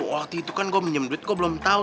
waktu itu kan gue minjem duit gue belum tau